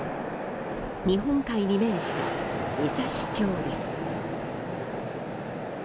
日本海に面した江差町です。